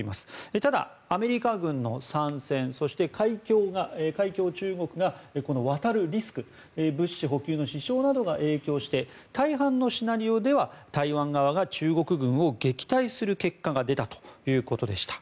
ただ、アメリカ軍の参戦そして海峡を中国が渡るリスク物資補給の支障などが影響して大半のシナリオでは台湾側が中国軍を撃退する結果が出たということでした。